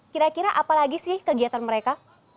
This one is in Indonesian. kira kira apa lagi sih kegiatan mereka